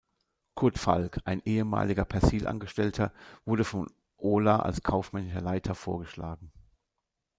Kurt Falk, ein ehemaliger Persil-Angestellter, wurde von Olah als kaufmännischer Leiter vorgeschlagen.